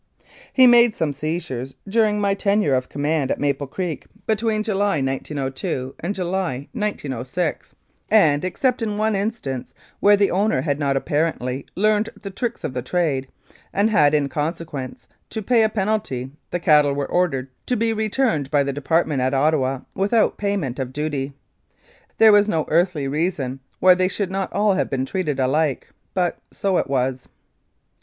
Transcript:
He made some seizures during my tenure of command at Maple Creek, between July, 1902 and July, 1906, 156 Wholesale Cattle Smuggling and, except in one instance, where the owner had not apparently learned the tricks of the trade, and had, in consequence, to pay a penalty, the cattle were ordered to be returned by the Department at Ottawa without payment of duty. There was no earthly reason why they should not all have been treated alike, but so it was.